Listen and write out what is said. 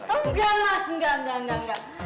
enggak mas enggak enggak enggak enggak